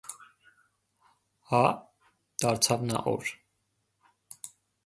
Հա՞,- դարձավ նա օր.